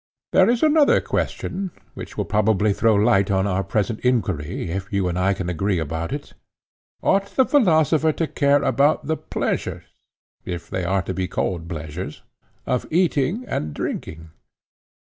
There is another question, which will probably throw light on our present inquiry if you and I can agree about it:—Ought the philosopher to care about the pleasures—if they are to be called pleasures—of eating and drinking?